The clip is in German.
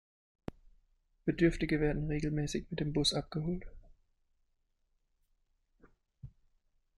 Bedürftige werden regelmäßig mit dem Bus abgeholt.